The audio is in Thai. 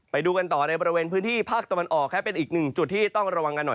ไปดูกันต่อในบริเวณพื้นที่ภาคตะวันออกครับเป็นอีกหนึ่งจุดที่ต้องระวังกันหน่อย